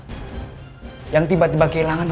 namun soalnya tidak kita tersihkan yang dialah wise men